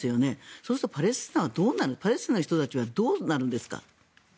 そうするとパレスチナの人たちはどうなるんですか？